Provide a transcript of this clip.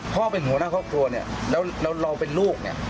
พ่อเป็นหัวหน้าครอบครัวเนี่ยแล้วเราเป็นลูกเนี่ย